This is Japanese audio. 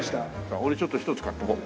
俺ちょっと１つ買ってこう。